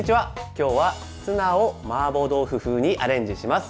今日はツナをマーボー豆腐風にアレンジします。